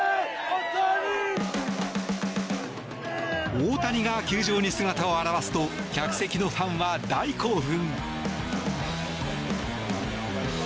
大谷が球場に姿を現すと客席のファンは大興奮。